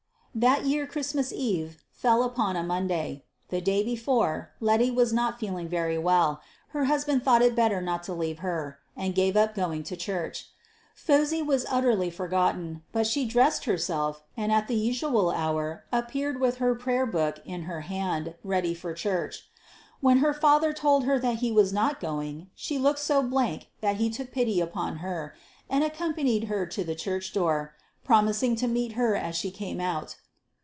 That year Christmas Eve fell upon a Monday. The day before, Letty not feeling very well, her husband thought it better not to leave her, and gave up going to church. Phosy was utterly forgotten, but she dressed herself, and at the usual hour appeared with her prayer book in her hand ready for church. When her father told her that he was not going, she looked so blank that he took pity upon her, and accompanied her to the church door, promising to meet her as she came out.